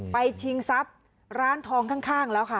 ชิงทรัพย์ร้านทองข้างแล้วค่ะ